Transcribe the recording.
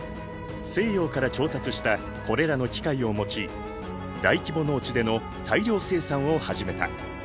西洋から調達したこれらの機械を用い大規模農地での大量生産を始めた。